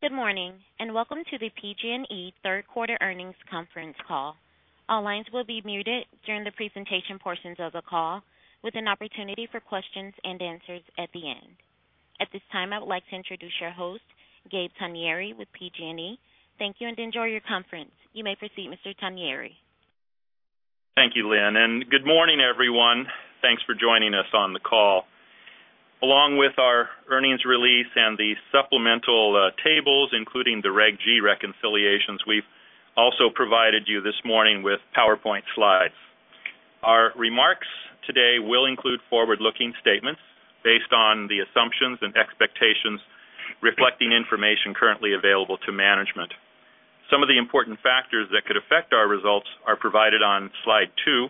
Good morning and welcome to the PG&E Third Quarter Earnings Conference Call. All lines will be muted during the presentation portions of the call, with an opportunity for questions and answers at the end. At this time, I would like to introduce your host, Gabe Togneri, with PG&E. Thank you and enjoy your conference. You may proceed, Mr. Togneri. Thank you, Lynn, and good morning, everyone. Thanks for joining us on the call. Along with our earnings release and the supplemental tables, including the Reg-G reconciliations, we've also provided you this morning with PowerPoint slides. Our remarks today will include forward-looking statements based on the assumptions and expectations reflecting information currently available to management. Some of the important factors that could affect our results are provided on slide two.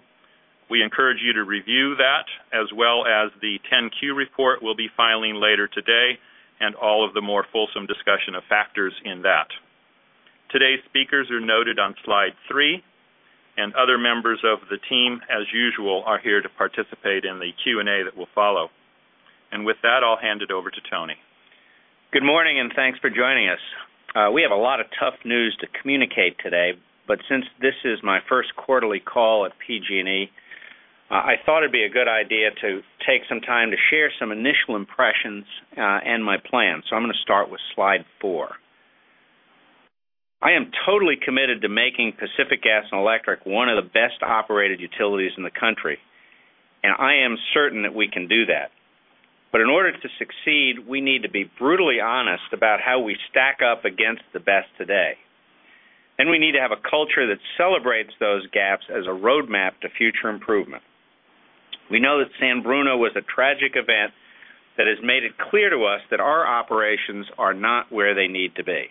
We encourage you to review that, as well as the 10-Q report we'll be filing later today and all of the more fulsome discussion of factors in that. Today's speakers are noted on slide three, and other members of the team, as usual, are here to participate in the Q&A that will follow. With that, I'll hand it over to Tony. Good morning and thanks for joining us. We have a lot of tough news to communicate today, but since this is my first quarterly call at PG&E, I thought it'd be a good idea to take some time to share some initial impressions and my plans. I'm going to start with slide four. I am totally committed to making PG&E one of the best operated utilities in the country, and I am certain that we can do that. In order to succeed, we need to be brutally honest about how we stack up against the best today. We need to have a culture that celebrates those gaps as a roadmap to future improvement. We know that San Bruno was a tragic event that has made it clear to us that our operations are not where they need to be.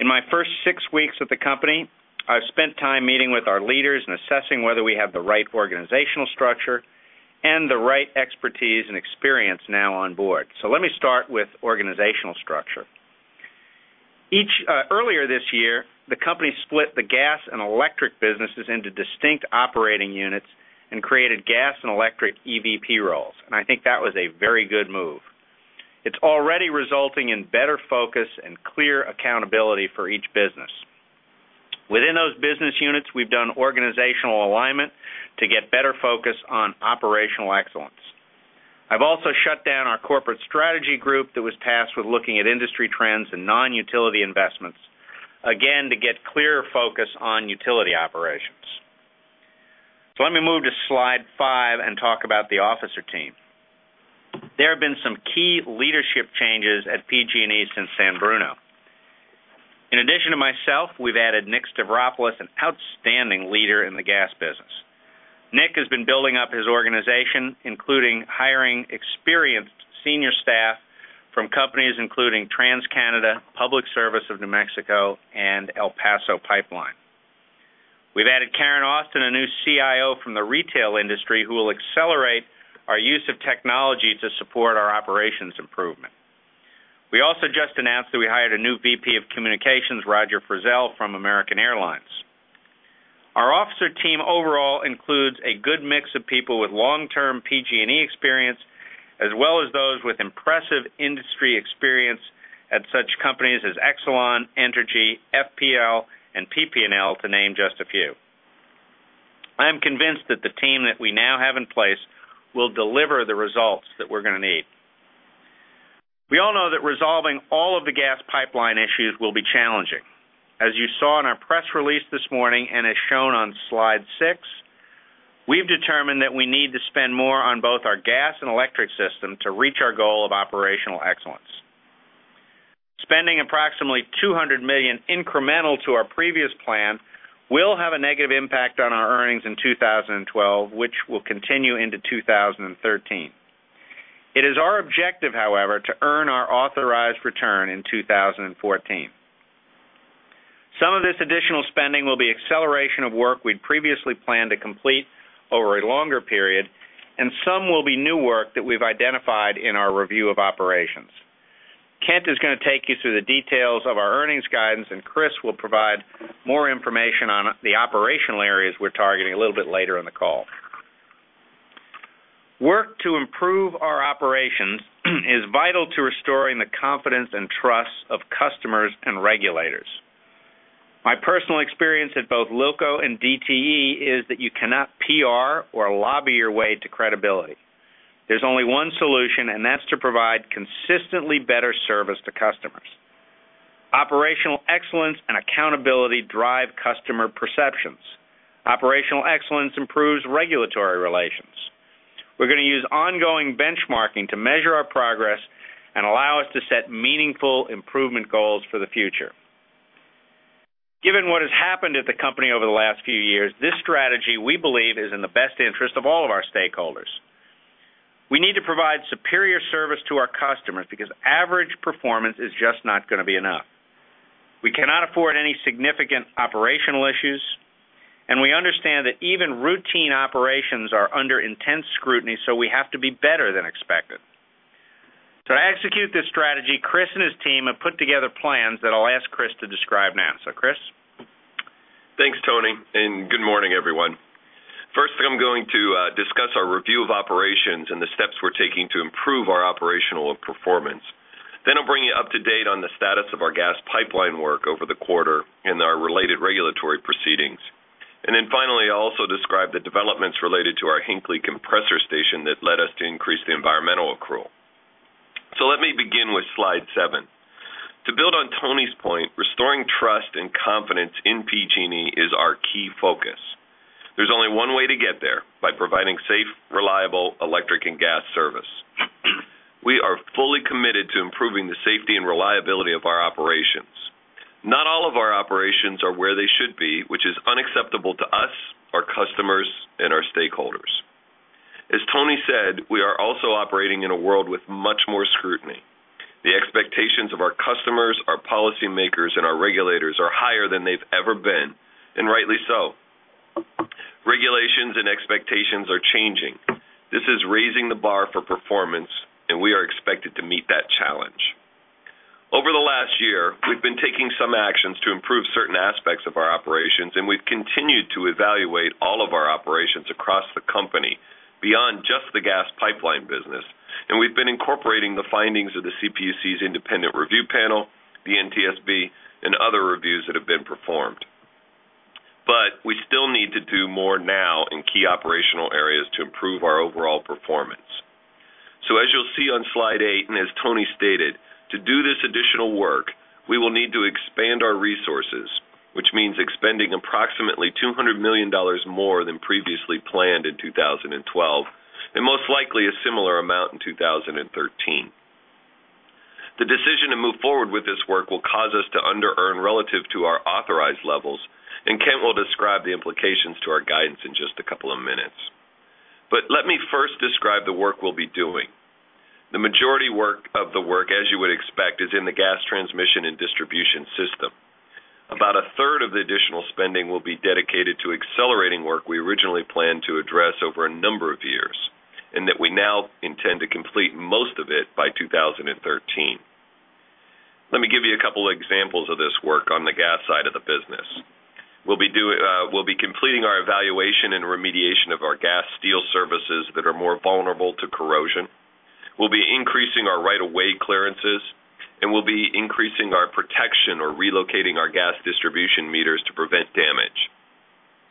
In my first six weeks at the company, I've spent time meeting with our leaders and assessing whether we have the right organizational structure and the right expertise and experience now on board. Let me start with organizational structure. Earlier this year, the company split the gas and electric businesses into distinct operating units and created Gas and Electric EVP roles, and I think that was a very good move. It's already resulting in better focus and clear accountability for each business. Within those business units, we've done organizational alignment to get better focus on operational excellence. I've also shut down our Corporate Strategy group that was tasked with looking at industry trends and non-utility investments, again to get clearer focus on utility operations. Let me move to slide five and talk about the officer team. There have been some key leadership changes at PG&E since San Bruno. In addition to myself, we've added Nick Stavropoulos, an outstanding leader in the gas business. Nick has been building up his organization, including hiring experienced senior staff from companies including TransCanada, Public Service of New Mexico, and El Paso Pipeline. We've added Karen Austin, a new CIO from the retail industry, who will accelerate our use of technology to support our operations improvement. We also just announced that we hired a new VP of Communications, Roger Frizzell, from American Airlines. Our officer team overall includes a good mix of people with long-term PG&E experience, as well as those with impressive industry experience at such companies as Exelon, Entergy, FPL, and PP&L, to name just a few. I am convinced that the team that we now have in place will deliver the results that we're going to need. We all know that resolving all of the gas pipeline issues will be challenging. As you saw in our press release this morning and as shown on slide six, we've determined that we need to spend more on both our gas and electric system to reach our goal of operational excellence. Spending approximately $200 million incremental to our previous plan will have a negative impact on our earnings in 2012, which will continue into 2013. It is our objective, however, to earn our authorized return in 2014. Some of this additional spending will be acceleration of work we'd previously planned to complete over a longer period, and some will be new work that we've identified in our review of operations. Kent is going to take you through the details of our earnings guidance, and Chris will provide more information on the operational areas we're targeting a little bit later in the call. Work to improve our operations is vital to restoring the confidence and trust of customers and regulators. My personal experience at both LILCO and DTE is that you cannot PR or lobby your way to credibility. There's only one solution, and that's to provide consistently better service to customers. Operational excellence and accountability drive customer perceptions. Operational excellence improves regulatory relations. We're going to use ongoing benchmarking to measure our progress and allow us to set meaningful improvement goals for the future. Given what has happened at the company over the last few years, this strategy we believe is in the best interest of all of our stakeholders. We need to provide superior service to our customers because average performance is just not going to be enough. We cannot afford any significant operational issues, and we understand that even routine operations are under intense scrutiny, so we have to be better than expected. To execute this strategy, Chris and his team have put together plans that I'll ask Chris to describe now. Chris? Thanks, Tony, and good morning, everyone. First, I'm going to discuss our review of operations and the steps we're taking to improve our operational performance. Then I'll bring you up to date on the status of our gas pipeline work over the quarter and our related regulatory proceedings. Finally, I'll also describe the developments related to our Hinckley compressor station that led us to increase the environmental accrual. Let me begin with slide seven. To build on Tony's point, restoring trust and confidence in PG&E is our key focus. There's only one way to get there: by providing safe, reliable electric and gas service. We are fully committed to improving the safety and reliability of our operations. Not all of our operations are where they should be, which is unacceptable to us, our customers, and our stakeholders. As Tony said, we are also operating in a world with much more scrutiny. The expectations of our customers, our policymakers, and our regulators are higher than they've ever been, and rightly so. Regulations and expectations are changing. This is raising the bar for performance, and we are expected to meet that challenge. Over the last year, we've been taking some actions to improve certain aspects of our operations, and we've continued to evaluate all of our operations across the company beyond just the gas pipeline business. We've been incorporating the findings of the CPUC's independent review panel, the NTSB, and other reviews that have been performed. We still need to do more now in key operational areas to improve our overall performance. As you'll see on slide eight, and as Tony stated, to do this additional work, we will need to expand our resources, which means expending approximately $200 million more than previously planned in 2012, and most likely a similar amount in 2013. The decision to move forward with this work will cause us to under-earn relative to our authorized levels, and Kent will describe the implications to our guidance in just a couple of minutes. Let me first describe the work we'll be doing. The majority of the work, as you would expect, is in the gas transmission and distribution system. About a 1/3 of the additional spending will be dedicated to accelerating work we originally planned to address over a number of years, and that we now intend to complete most of it by 2013. Let me give you a couple of examples of this work on the gas side of the business. We'll be completing our evaluation and remediation of our gas steel services that are more vulnerable to corrosion. We'll be increasing our right-of-way clearances, and we'll be increasing our protection or relocating our gas distribution meters to prevent damage.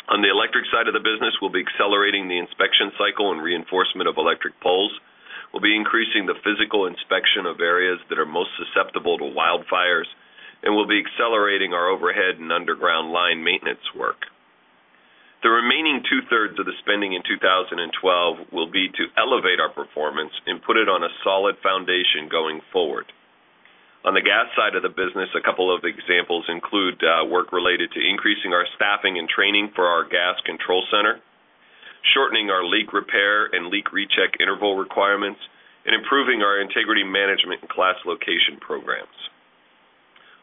On the electric side of the business, we'll be accelerating the inspection cycle and reinforcement of electric poles. We'll be increasing the physical inspection of areas that are most susceptible to wildfires, and we'll be accelerating our overhead and underground line maintenance work. The remaining 2/3 of the spending in 2012 will be to elevate our performance and put it on a solid foundation going forward. On the gas side of the business, a couple of examples include work related to increasing our staffing and training for our gas control center, shortening our leak repair and leak recheck interval requirements, and improving our integrity management and class location programs.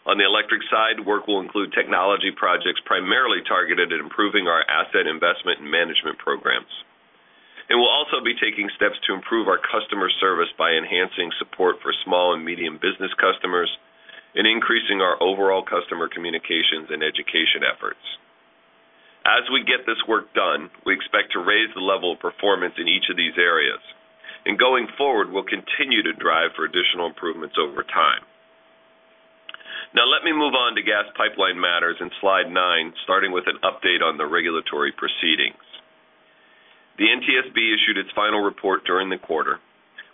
On the electric side, work will include technology projects primarily targeted at improving our asset investment and management programs. We'll also be taking steps to improve our customer service by enhancing support for small and medium business customers and increasing our overall customer communications and education efforts. As we get this work done, we expect to raise the level of performance in each of these areas, and going forward, we'll continue to drive for additional improvements over time. Now let me move on to gas pipeline matters in slide nine, starting with an update on the regulatory proceedings. The NTSB issued its final report during the quarter.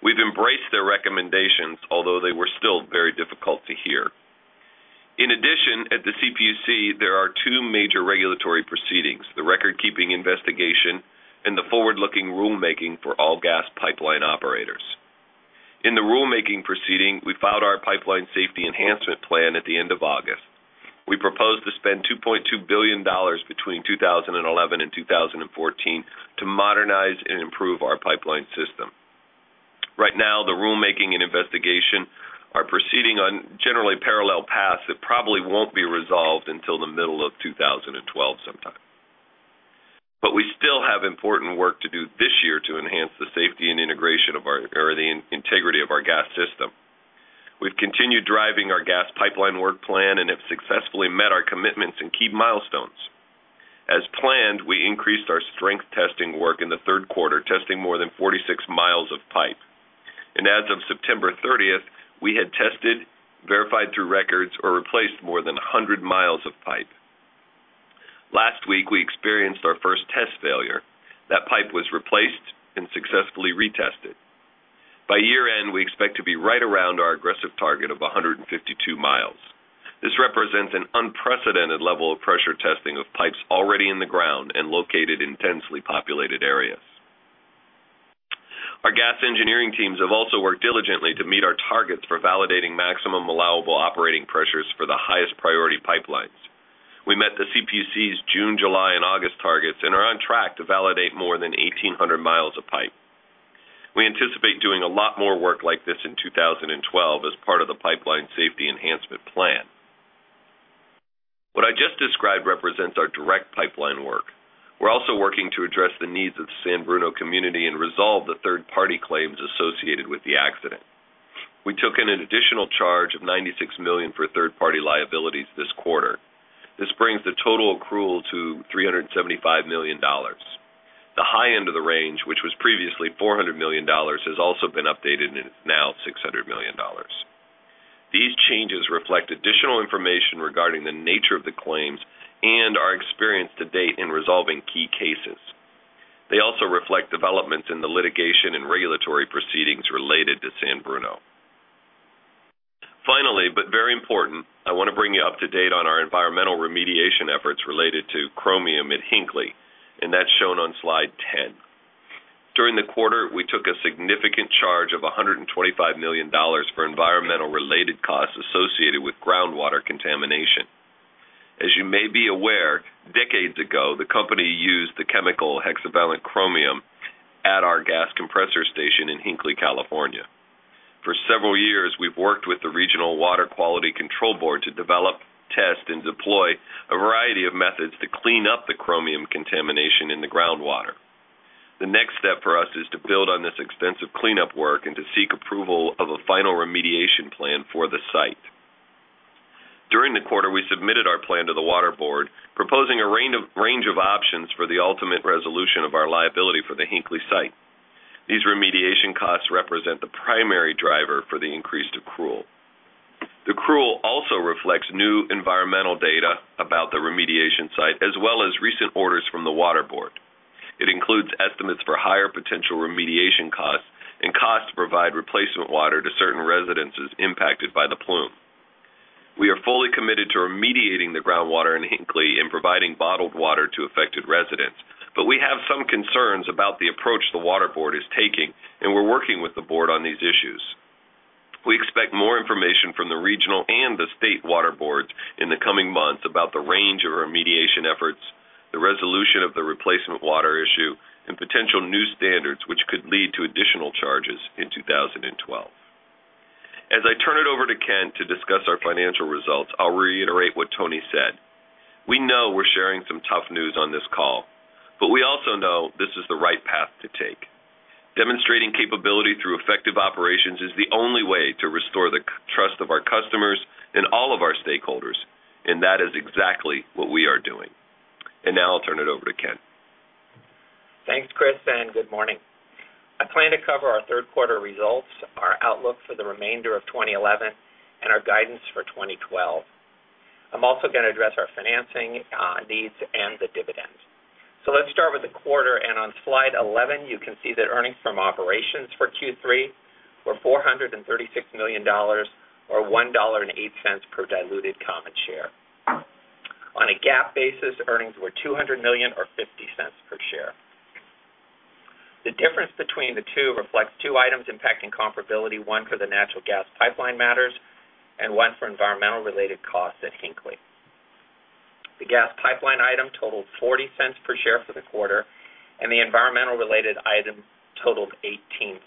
We've embraced their recommendations, although they were still very difficult to hear. In addition, at the CPUC, there are two major regulatory proceedings: the record-keeping investigation and the forward-looking rulemaking for all gas pipeline operators. In the rulemaking proceeding, we filed our Pipeline Safety Enhancement Plan at the end of August. We proposed to spend $2.2 billion between 2011 and 2014 to modernize and improve our pipeline system. Right now, the rulemaking and investigation are proceeding on generally parallel paths that probably won't be resolved until the middle of 2012 sometime. We still have important work to do this year to enhance the safety and integrity of our gas system. We've continued driving our gas pipeline work plan and have successfully met our commitments and key milestones. As planned, we increased our strength testing work in the third quarter, testing more than 46 mi of pipe. As of September 30th, we had tested, verified through records, or replaced more than 100 mi of pipe. Last week, we experienced our first test failure. That pipe was replaced and successfully retested. By year-end, we expect to be right around our aggressive target of 152 mi. This represents an unprecedented level of pressure testing of pipes already in the ground and located in densely populated areas. Our gas engineering teams have also worked diligently to meet our targets for validating maximum allowable operating pressures for the highest priority pipelines. We met the CPUC's June, July, and August targets and are on track to validate more than 1,800 mi of pipe. We anticipate doing a lot more work like this in 2012 as part of the Pipeline Safety Enhancement Plan. What I just described represents our direct pipeline work. We're also working to address the needs of the San Bruno community and resolve the third-party claims associated with the accident. We took in an additional charge of $96 million for third-party liabilities this quarter. This brings the total accrual to $375 million. The high end of the range, which was previously $400 million, has also been updated and is now $600 million. These changes reflect additional information regarding the nature of the claims and our experience to date in resolving key cases. They also reflect developments in the litigation and regulatory proceedings related to San Bruno. Finally, but very important, I want to bring you up to date on our environmental remediation efforts related to chromium at Hinkley, and that's shown on slide 10. During the quarter, we took a significant charge of $125 million for environmental-related costs associated with groundwater contamination. As you may be aware, decades ago, the company used the chemical hexavalent chromium at our gas compressor station in Hinkley, California. For several years, we've worked with the Regional Water Quality Control Board to develop, test, and deploy a variety of methods to clean up the chromium contamination in the groundwater. The next step for us is to build on this extensive cleanup work and to seek approval of a final remediation plan for the site. During the quarter, we submitted our plan to the water board, proposing a range of options for the ultimate resolution of our liability for the Hinkley site. These remediation costs represent the primary driver for the increased accrual. The accrual also reflects new environmental data about the remediation site, as well as recent orders from the water board. It includes estimates for higher potential remediation costs, and costs to provide replacement water to certain residences impacted by the plume. We are fully committed to remediating the groundwater in Hinkley and providing bottled water to affected residents, but we have some concerns about the approach the water board is taking, and we're working with the board on these issues. We expect more information from the regional and the state water boards in the coming months about the range of our remediation efforts, the resolution of the replacement water issue, and potential new standards which could lead to additional charges in 2012. As I turn it over to Kent to discuss our financial results, I'll reiterate what Tony said. We know we're sharing some tough news on this call, but we also know this is the right path to take. Demonstrating capability through effective operations is the only way to restore the trust of our customers and all of our stakeholders, and that is exactly what we are doing. Now I'll turn it over to Kent. Thanks, Chris, and good morning. I plan to cover our third quarter results, our outlook for the remainder of 2011, and our guidance for 2012. I'm also going to address our financing needs and the dividend. Let's start with the quarter, and on slide 11, you can see that earnings from operations for Q3 were $436 million or $1.08 per diluted common share. On a GAAP basis, earnings were $200 million or $0.50 per share. The difference between the two reflects two items impacting comparability: one for the natural gas pipeline matters and one for environmental-related costs at Hinkley. The gas pipeline item totaled $0.40 per share for the quarter, and the environmental-related item totaled $0.18.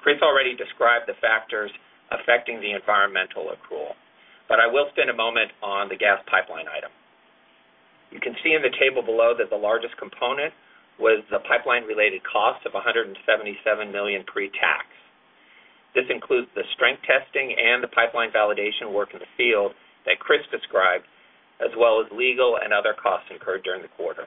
Chris already described the factors affecting the environmental accrual, but I will spend a moment on the gas pipeline item. You can see in the table below that the largest component was the pipeline-related cost of $177 million pre-tax. This includes the strength testing and the pipeline validation work in the field that Chris described, as well as legal and other costs incurred during the quarter.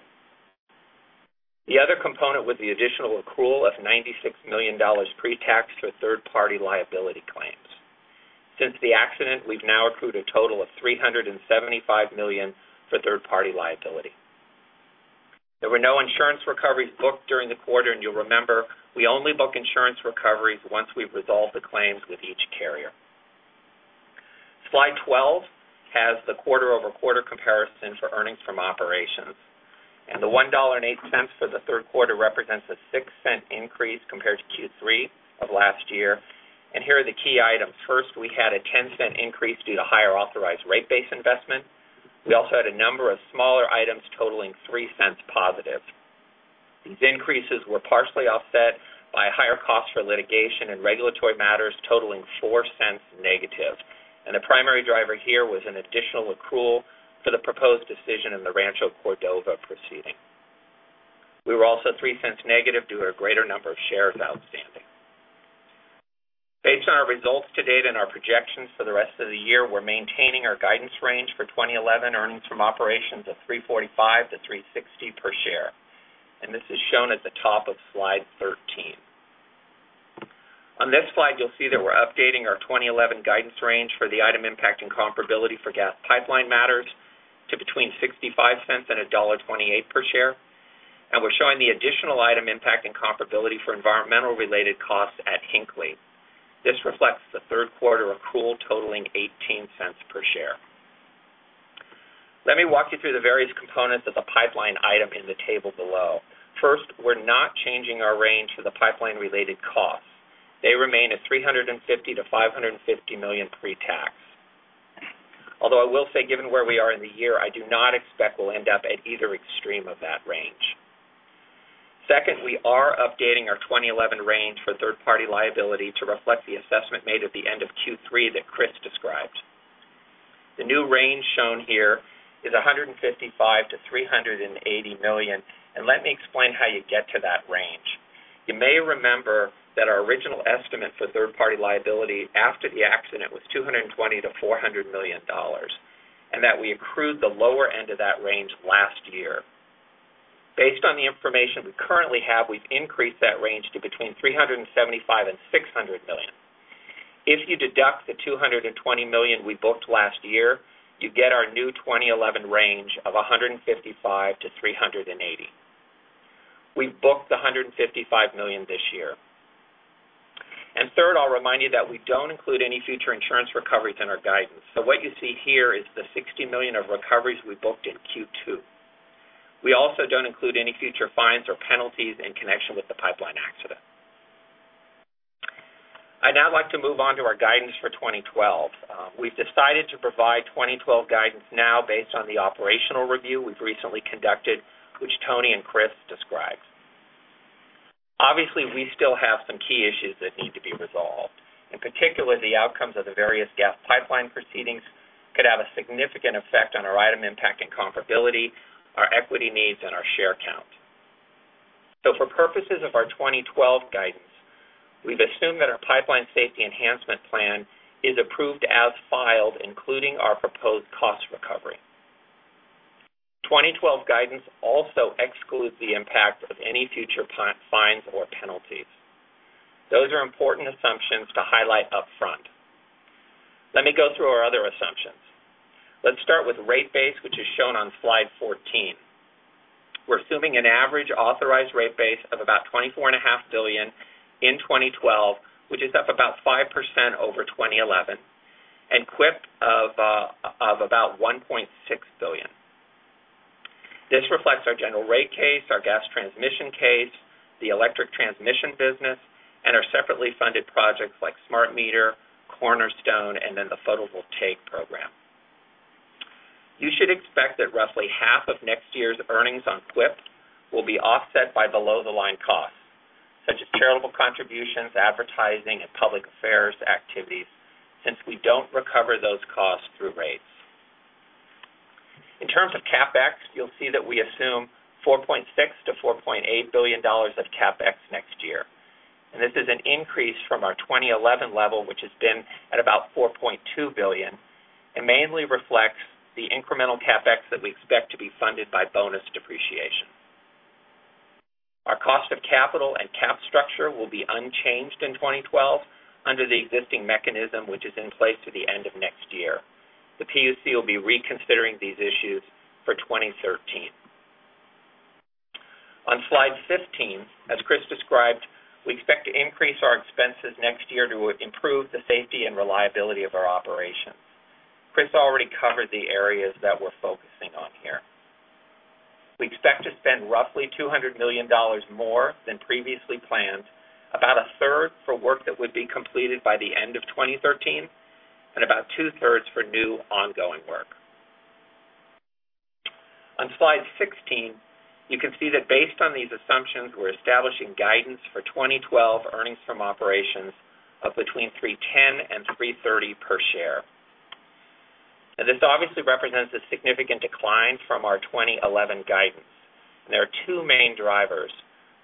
The other component was the additional accrual of $96 million pre-tax for third-party liability claims. Since the accident, we've now accrued a total of $375 million for third-party liability. There were no insurance recoveries booked during the quarter, and you'll remember we only book insurance recoveries once we've resolved the claims with each carrier. Slide 12 has the quarter-over-quarter comparison for earnings from operations. The $1.08 for the third quarter represents a $0.06 increase compared to Q3 of last year. Here are the key items. First, we had a $0.10 increase due to higher authorized rate-based investment. We also had a number of smaller items totaling $0.03 positive. These increases were partially offset by higher costs for litigation and regulatory matters totaling $0.04 negative. The primary driver here was an additional accrual for the proposed decision in the Rancho Cordova proceeding. We were also $0.03 negative due to a greater number of shares outstanding. Based on our results to date and our projections for the rest of the year, we're maintaining our guidance range for 2011 earnings from operations of $3.45 to $3.60 per share. This is shown at the top of slide 13. On this slide, you'll see that we're updating our 2011 guidance range for the item impacting comparability for gas pipeline matters to between $0.65 and $1.28 per share. We're showing the additional item impacting comparability for environmental-related costs at Hinkley. This reflects the third quarter accrual totaling $0.18 per share. Let me walk you through the various components of the pipeline item in the table below. First, we're not changing our range for the pipeline-related costs. They remain at $350 million-$550 million pre-tax. Although I will say, given where we are in the year, I do not expect we'll end up at either extreme of that range. Second, we are updating our 2011 range for third-party liability to reflect the assessment made at the end of Q3 that Chris described. The new range shown here is $155 million-$380 million. Let me explain how you get to that range. You may remember that our original estimate for third-party liability after the accident was $220 million-$400 million and that we accrued the lower end of that range last year. Based on the information we currently have, we've increased that range to between $375 million and $600 million. If you deduct the $220 million we booked last year, you get our new 2011 range of $155 million-$380 million. We've booked the $155 million this year. Third, I'll remind you that we don't include any future insurance recoveries in our guidance. What you see here is the $60 million of recoveries we booked in Q2. We also don't include any future fines or penalties in connection with the pipeline accident. I'd now like to move on to our guidance for 2012. We've decided to provide 2012 guidance now based on the operational review we've recently conducted, which Tony and Chris described. Obviously, we still have some key issues that need to be resolved. In particular, the outcomes of the various gas pipeline proceedings could have a significant effect on our item impacting comparability, our equity needs, and our share count. For purposes of our 2012 guidance, we've assumed that our Pipeline Safety Enhancement Plan is approved as filed, including our proposed cost recovery. 2012 guidance also excludes the impact of any future fines or penalties. Those are important assumptions to highlight up front. Let me go through our other assumptions. Let's start with rate base, which is shown on slide 14. We're assuming an average authorized rate base of about $24.5 billion in 2012, which is up about 5% over 2011, and CWIP of about $1.6 billion. This reflects our General Rate Case, our gas transmission case, the Electric Transmission business, and our separately funded projects like SmartMeter, Cornerstone, and then the Photovoltaic Program. You should expect that roughly half of next year's earnings on CWIP will be offset by below-the-line costs, such as charitable contributions, advertising, and public affairs activities, since we don't recover those costs through rates. In terms of CapEx, you'll see that we assume $4.6 billion-$4.8 billion of CapEx next year. This is an increase from our 2011 level, which has been at about $4.2 billion, and mainly reflects the incremental CapEx that we expect to be funded by bonus depreciation. Our cost of capital and cap structure will be unchanged in 2012 under the existing mechanism, which is in place to the end of next year. The CPUC will be reconsidering these issues for 2013. On slide 15, as Chris described, we expect to increase our expenses next year to improve the safety and reliability of our operation. Chris already covered the areas that we're focusing on here. We expect to spend roughly $200 million more than previously planned, about 1/3 for work that would be completed by the end of 2013, and about 2/3 for new ongoing work. On slide 16, you can see that based on these assumptions, we're establishing guidance for 2012 earnings from operations of between $3.10 and $3.30 per share. This obviously represents a significant decline from our 2011 guidance. There are two main drivers.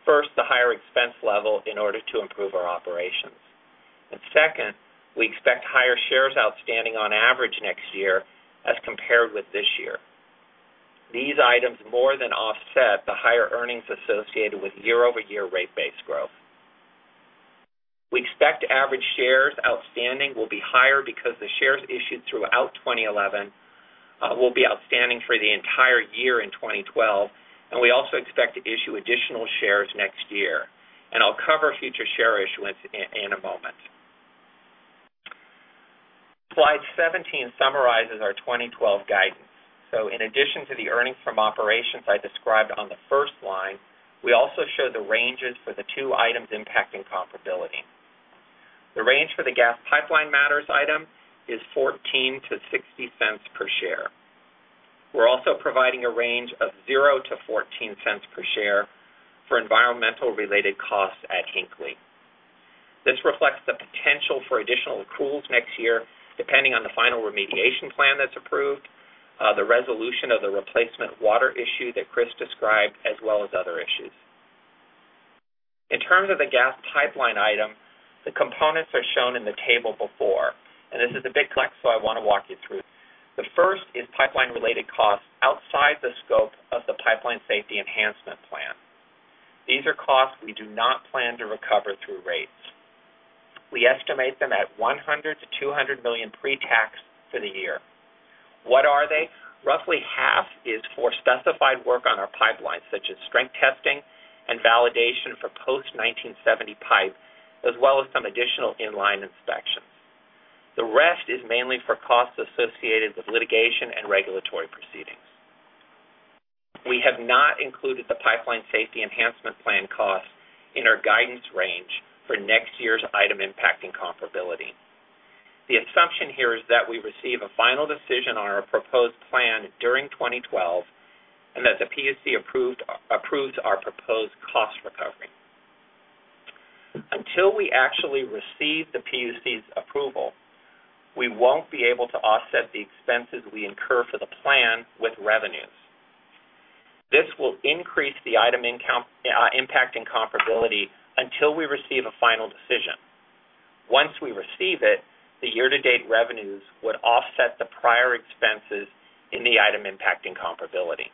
First, the higher expense level in order to improve our operations. Second, we expect higher shares outstanding on average next year as compared with this year. These items more than offset the higher earnings associated with year-over-year rate-based growth. We expect average shares outstanding will be higher because the shares issued throughout 2011 will be outstanding for the entire year in 2012, and we also expect to issue additional shares next year. I'll cover future share issuance in a moment. Slide 17 summarizes our 2012 guidance. In addition to the earnings from operations I described on the first line, we also show the ranges for the two items impacting comparability. The range for the gas pipeline matters item is $0.14-$0.60 per share. We're also providing a range of $0.00-$0.14 per share for environmental-related costs at Hinkley. This reflects the potential for additional accruals next year, depending on the final remediation plan that's approved, the resolution of the replacement water issue that Chris described, as well as other issues. In terms of the gas pipeline item, the components are shown in the table before. This is a big flex, so I want to walk you through. The first is pipeline-related costs outside the scope of the Pipeline Safety Enhancement Plan. These are costs we do not plan to recover through rates. We estimate them at $100 million-$200 million pre-tax for the year. What are they? Roughly half is for specified work on our pipeline, such as strength testing and validation for post-1970 pipe, as well as some additional in-line inspections. The rest is mainly for costs associated with litigation and regulatory proceedings. We have not included the Pipeline Safety Enhancement Plan costs in our guidance range for next year's item impacting comparability. The assumption here is that we receive a final decision on our proposed plan during 2012 and that the CPUC approves our proposed cost recovery. Until we actually receive the CPUC's approval, we won't be able to offset the expenses we incur for the plan with revenues. This will increase the item impacting comparability until we receive a final decision. Once we receive it, the year-to-date revenues would offset the prior expenses in the item impacting comparability.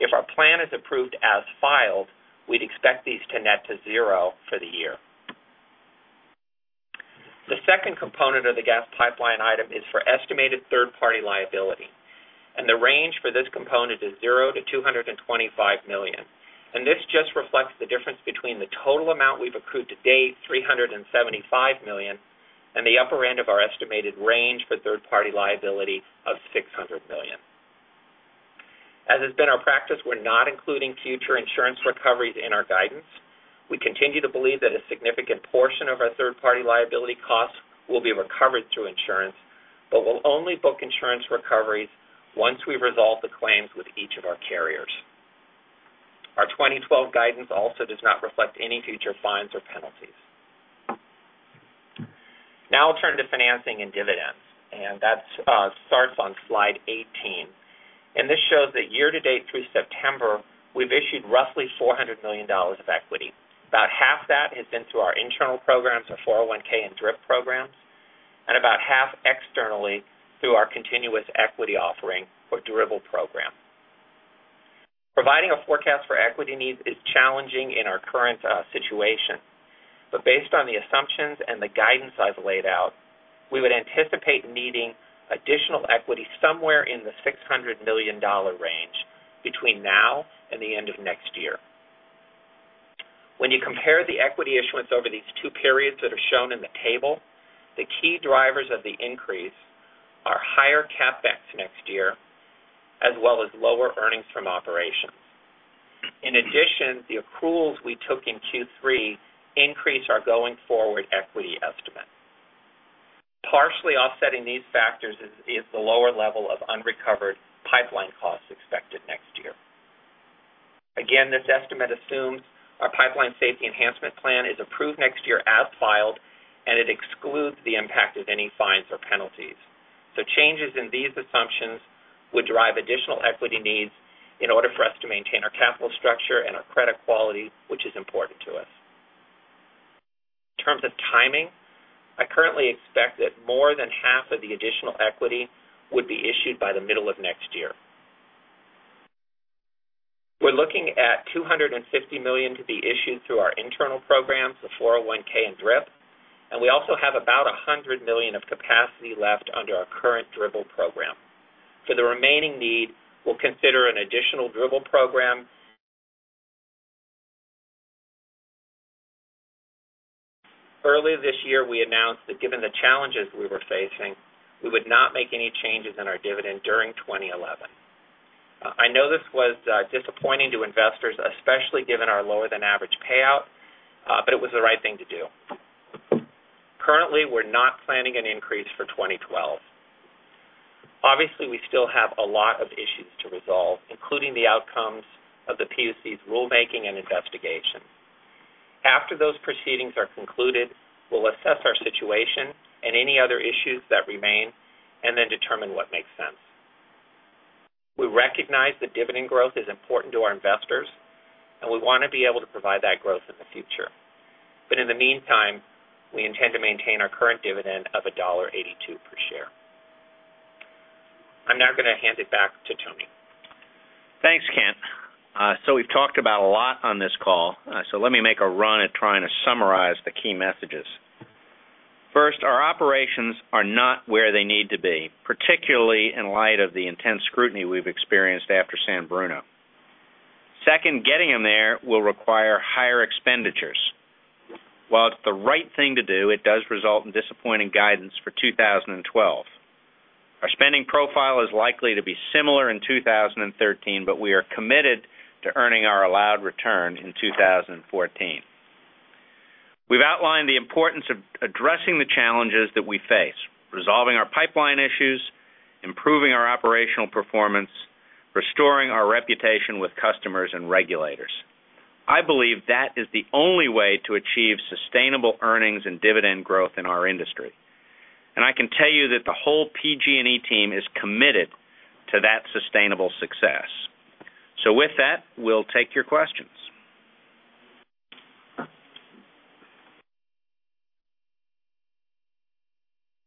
If our plan is approved as filed, we'd expect these to net to $0 for the year. The second component of the gas pipeline item is for estimated third-party liability. The range for this component is $0-$225 million. This just reflects the difference between the total amount we've accrued to date, $375 million, and the upper end of our estimated range for third-party liability of $600 million. As it's been our practice, we're not including future insurance recoveries in our guidance. We continue to believe that a significant portion of our third-party liability costs will be recovered through insurance, but we'll only book insurance recoveries once we resolve the claims with each of our carriers. Our 2012 guidance also does not reflect any future fines or penalties. Now I'll turn to financing and dividends. That starts on slide 18. This shows that year-to-date through September, we've issued roughly $400 million of equity. About half that has been through our internal programs, a 401(k) and DRIP program, and about half externally through our continuous equity offering or Dribble Program. Providing a forecast for equity needs is challenging in our current situation. Based on the assumptions and the guidance I've laid out, we would anticipate needing additional equity somewhere in the $600 million range between now and the end of next year. When you compare the equity issuance over these two periods that are shown in the table, the key drivers of the increase are higher CapEx next year, as well as lower earnings from operations. In addition, the accruals we took in Q3 increase our going-forward equity estimate. Partially offsetting these factors is the lower level of unrecovered pipeline costs expected next year. This estimate assumes our Pipeline Safety Enhancement Plan is approved next year as filed, and it excludes the impact of any fines or penalties. Changes in these assumptions would drive additional equity needs in order for us to maintain our capital structure and our credit quality, which is important to us. In terms of timing, I currently expect that more than half of the additional equity would be issued by the middle of next year. We're looking at $250 million to be issued through our internal programs, the 401(k) and DRIP, and we also have about $100 million of capacity left under our current Dribble Program. For the remaining need, we'll consider an additional Dribble Program. Earlier this year, we announced that given the challenges we were facing, we would not make any changes in our dividend during 2011. I know this was disappointing to investors, especially given our lower-than-average payout, but it was the right thing to do. Currently, we're not planning an increase for 2012. We still have a lot of issues to resolve, including the outcomes of the CPUC's rulemaking and investigation. After those proceedings are concluded, we'll assess our situation and any other issues that remain and then determine what makes sense. We recognize that dividend growth is important to our investors, and we want to be able to provide that growth in the future. In the meantime, we intend to maintain our current dividend of $1.82 per share. I'm now going to hand it back to Tony. Thanks, Kent. We've talked about a lot on this call, so let me make a run at trying to summarize the key messages. First, our operations are not where they need to be, particularly in light of the intense scrutiny we've experienced after San Bruno. Second, getting them there will require higher expenditures. While it's the right thing to do, it does result in disappointing guidance for 2012. Our spending profile is likely to be similar in 2013, but we are committed to earning our allowed return in 2014. We've outlined the importance of addressing the challenges that we face: resolving our pipeline issues, improving our operational performance, restoring our reputation with customers and regulators. I believe that is the only way to achieve sustainable earnings and dividend growth in our industry. I can tell you that the whole PG&E team is committed to that sustainable success. With that, we'll take your questions.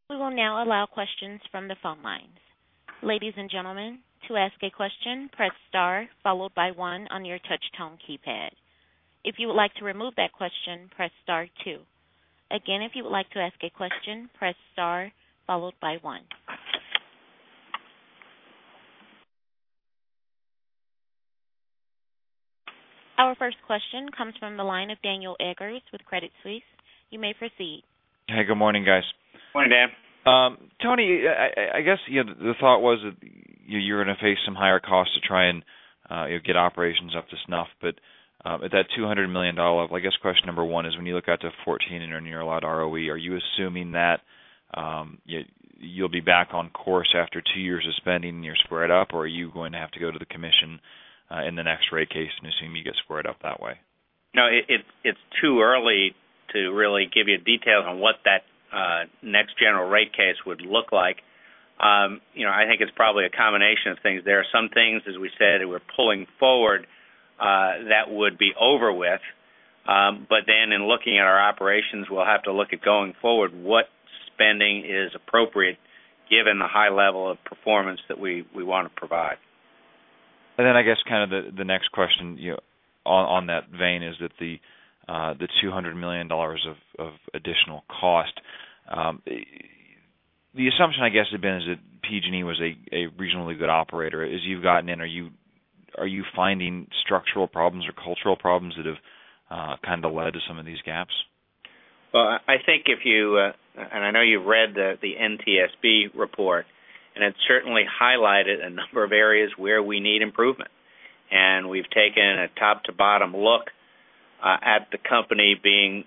We will now allow questions from the phone lines. Ladies and gentlemen, to ask a question, press star followed by one on your touch-tone keypad. If you would like to remove that question, press star two. Again, if you would like to ask a question, press star followed by one. Our first question comes from the line of Daniel Eggers with Credit Suisse. You may proceed. Hey, good morning, guys. Morning, Dan. Tony, I guess the thought was that you're going to face some higher costs to try and get operations up to snuff. At that $200 million level, I guess question number one is when you look out to 2014 and your allowed ROE, are you assuming that you'll be back on course after two years of spending and you're squared up, or are you going to have to go to the commission in the next rate case and assume you get squared up that way? No, it's too early to really give you details on what that next General Rate Case would look like. I think it's probably a combination of things. There are some things, as we said, that we're pulling forward that would be over with. In looking at our operations, we'll have to look at going forward what spending is appropriate given the high level of performance that we want to provide. I guess kind of the next question on that vein is that the $200 million of additional cost, the assumption I guess had been is that PG&E was a reasonably good operator. As you've gotten in, are you finding structural problems or cultural problems that have kind of led to some of these gaps? I think if you, and I know you've read the NTSB report, it's certainly highlighted a number of areas where we need improvement. We've taken a top-to-bottom look at the company, being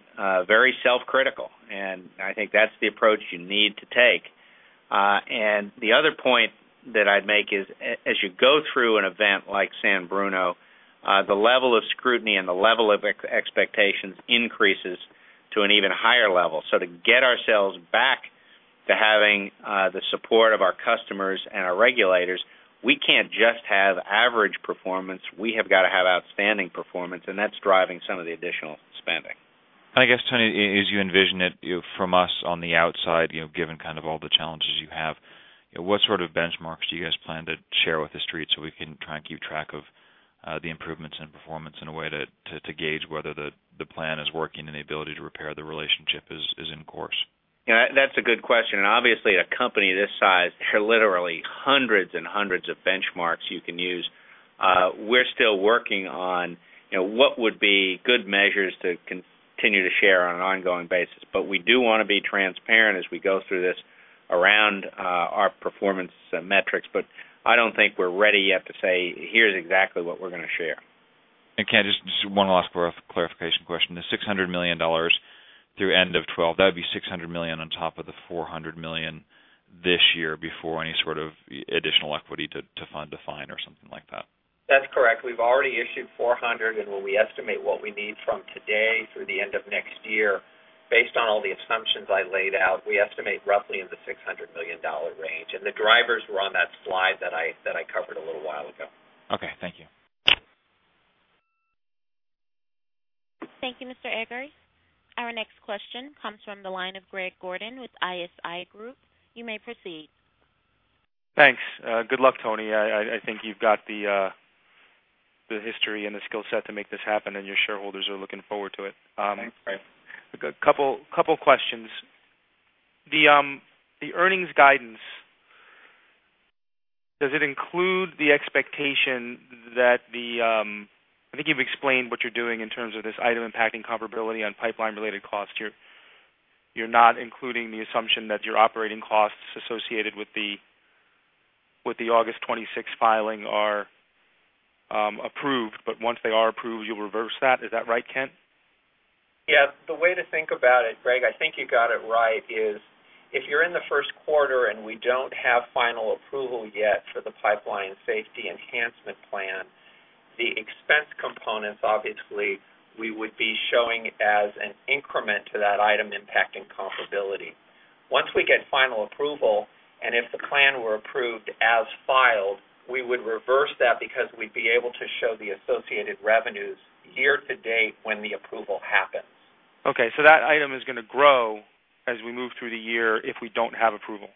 very self-critical. I think that's the approach you need to take. The other point that I'd make is as you go through an event like San Bruno, the level of scrutiny and the level of expectations increases to an even higher level. To get ourselves back to having the support of our customers and our regulators, we can't just have average performance. We've got to have outstanding performance, and that's driving some of the additional spending. Tony, as you envision it from us on the outside, given kind of all the challenges you have, what sort of benchmarks do you guys plan to share with the street so we can try and keep track of the improvements in performance in a way to gauge whether the plan is working and the ability to repair the relationship is in course? That's a good question. Obviously, in a company this size, there are literally hundreds and hundreds of benchmarks you can use. We're still working on what would be good measures to continue to share on an ongoing basis. We do want to be transparent as we go through this around our performance metrics. I don't think we're ready yet to say, "Here's exactly what we're going to share." Kent, just one last clarification question. The $600 million through end of 2012, that would be $600 million on top of the $400 million this year before any sort of additional equity to fund the fine or something like that? That's correct. We've already issued $400 million, and when we estimate what we need from today through the end of next year, based on all the assumptions I laid out, we estimate roughly in the $600 million range. The drivers were on that slide that I covered a little while ago. Okay, thank you. Thank you, Mr. Eggers. Our next question comes from the line of Greg Gordon with ISI Group. You may proceed. Thanks. Good luck, Tony. I think you've got the history and the skill set to make this happen, and your shareholders are looking forward to it. Thanks, Greg. A couple of questions. The earnings guidance, does it include the expectation that the—I think you've explained what you're doing in terms of this item impacting comparability on pipeline-related costs. You're not including the assumption that your operating costs associated with the August 26 filing are approved. Once they are approved, you'll reverse that. Is that right, Kent? Yeah. The way to think about it, Greg, I think you got it right, is if you're in the first quarter and we don't have final approval yet for the Pipeline Safety Enhancement Plan, the expense components, obviously, we would be showing as an increment to that item impacting comparability. Once we get final approval, and if the plan were approved as filed, we would reverse that because we'd be able to show the associated revenues year-to-date when the approval happens. Okay. That item is going to grow as we move through the year if we don't have approval.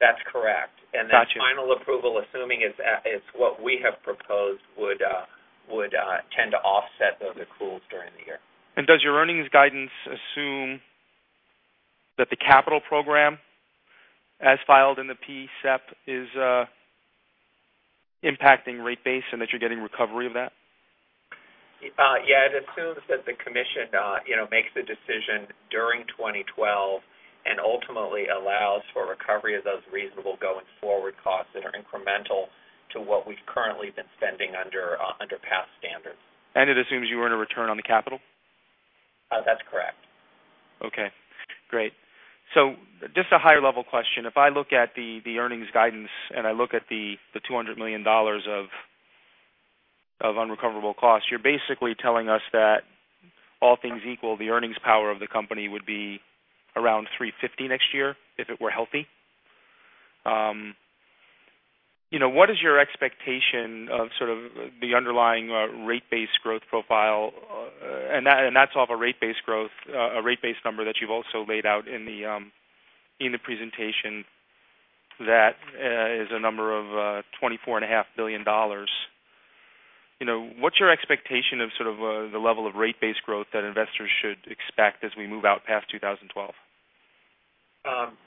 That's correct. Gotcha. The final approval, assuming it's what we have proposed, would tend to offset those accruals during the year. Does your earnings guidance assume that the capital program, as filed in the Pipeline Safety Enhancement Plan, is impacting rate base and that you're getting recovery of that? It assumes that the commission makes the decision during 2012 and ultimately allows for recovery of those reasonable going-forward costs that are incremental to what we've currently been spending under past standards. It assumes you earn a return on the capital? Oh, that's correct. Okay. Great. Just a higher-level question. If I look at the earnings guidance and I look at the $200 million of unrecoverable costs, you're basically telling us that all things equal, the earnings power of the company would be around $350 million next year if it were healthy. What is your expectation of the underlying rate-based growth profile? That's off a rate-based number that you've also laid out in the presentation that is $24.5 billion. What is your expectation of the level of rate-based growth that investors should expect as we move out past 2012?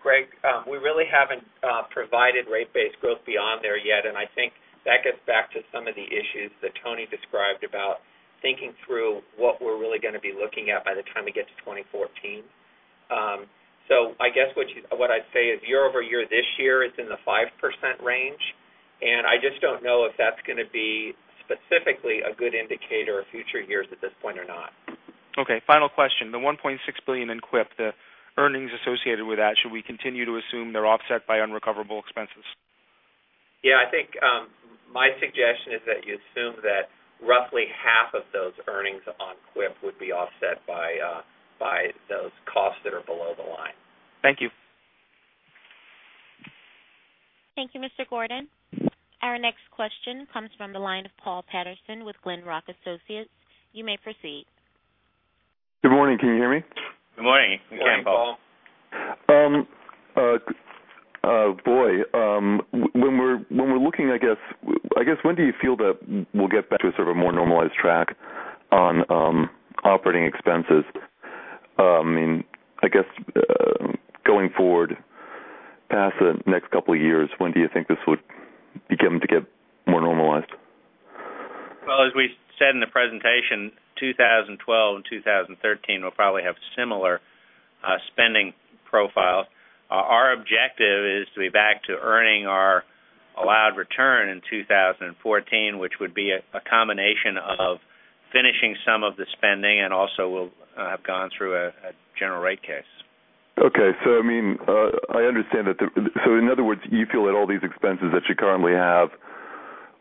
Greg, we really haven't provided rate-based growth beyond there yet. I think that gets back to some of the issues that Tony described about thinking through what we're really going to be looking at by the time it gets to 2014. I guess what I'd say is year-over-year, this year, it's in the 5% range. I just don't know if that's going to be specifically a good indicator of future years at this point or not. Okay. Final question. The $1.6 billion in CWIP, the earnings associated with that, should we continue to assume they're offset by unrecoverable expenses? Yeah, I think my suggestion is that you assume that roughly half of those earnings on quip would be offset by those costs that are below the line. Thank you. Thank you, Mr. Gordon. Our next question comes from the line of Paul Patterson with GlenRock Associates. You may proceed. Good morning. Can you hear me? Good morning again, Paul. Thank you. Boy. When we're looking, when do you feel that we'll get to a sort of a more normalized track on operating expenses? I mean, going forward past the next couple of years, when do you think this would begin to get more normalized? As we said in the presentation, 2012 and 2013 will probably have similar spending profiles. Our objective is to be back to earning our allowed return in 2014, which would be a combination of finishing some of the spending and also we'll have gone through a General Rate Case. Okay. I understand that. In other words, you feel that all these expenses that you currently have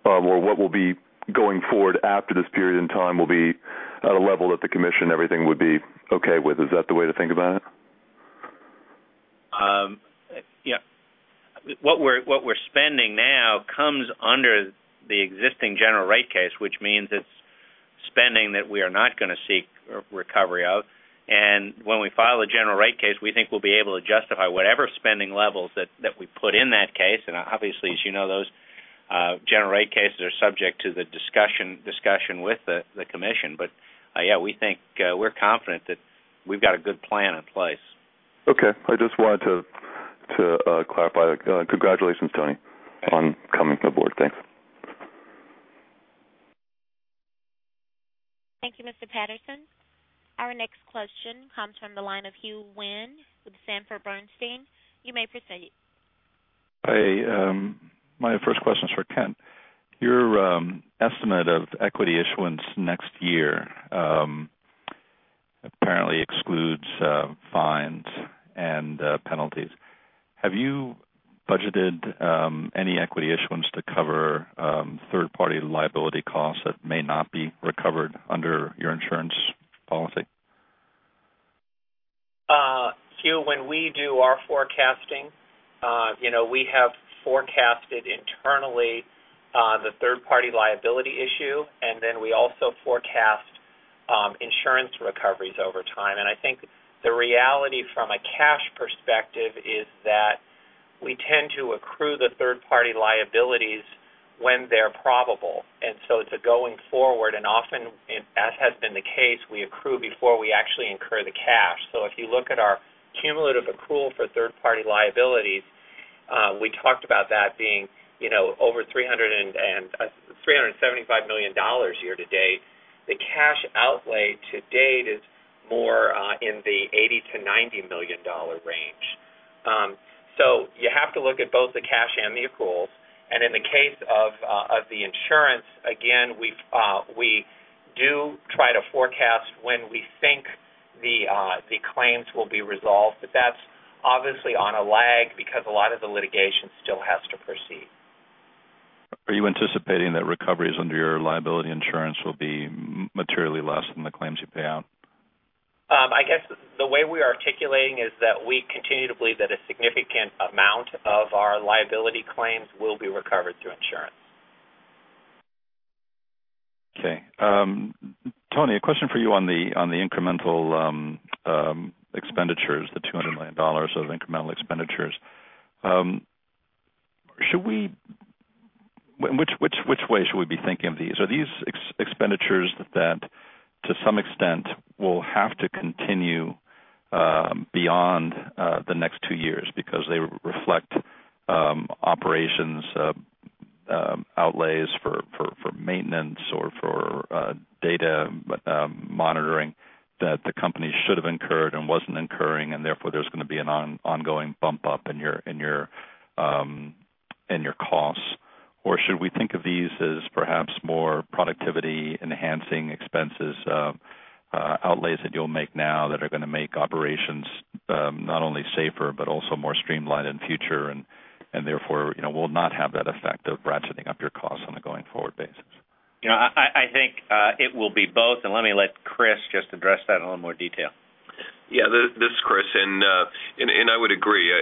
or what will be going forward after this period in time will be at a level that the commission and everything would be okay with. Is that the way to think about it? What we're spending now comes under the existing General Rate Case, which means it's spending that we are not going to seek recovery of. When we file a General Rate Case, we think we'll be able to justify whatever spending levels that we put in that case. Obviously, as you know, those General Rate Cases are subject to the discussion with the commission. We think we're confident that we've got a good plan in place. Okay, I just wanted to clarify. Congratulations, Tony, on coming to the board. Thanks. Thank you, Mr. Patterson. Our next question comes from the line of Hugh Wynne with Sanford Bernstein. You may proceed. My first question is for Kent. Your estimate of equity issuance next year apparently excludes fines and penalties. Have you budgeted any equity issuance to cover third-party liability costs that may not be recovered under your insurance policy? Hugh, when we do our forecasting, you know we have forecasted internally the third-party liability issue, and then we also forecast insurance recoveries over time. I think the reality from a cash perspective is that we tend to accrue the third-party liabilities when they're probable. It's a going forward, and often that has been the case. We accrue before we actually incur the cash. If you look at our cumulative accrual for third-party liabilities, we talked about that being over $375 million year-to-date. The cash outlay to date is more in the $80 million-$90 million range. You have to look at both the cash and the accruals. In the case of the insurance, again, we do try to forecast when we think the claims will be resolved, but that's obviously on a lag because a lot of the litigation still has to proceed. Are you anticipating that recoveries under your liability insurance will be materially less than the claims you pay out? I guess the way we are articulating is that we continue to believe that a significant amount of our liability claims will be recovered through insurance. Okay. Tony, a question for you on the incremental expenditures, the $200 million of incremental expenditures. In which way should we be thinking of these? Are these expenditures that to some extent will have to continue beyond the next two years because they reflect operations outlays for maintenance or for data monitoring that the company should have incurred and wasn't incurring, and therefore, there's going to be an ongoing bump up in your costs? Or should we think of these as perhaps more productivity-enhancing expenses outlays that you'll make now that are going to make operations not only safer but also more streamlined in the future, and therefore, you know, will not have that effect of ratcheting up your costs on a going-forward basis? I think it will be both. Let me let Chris address that in a little more detail. Yeah. This is Chris. I would agree.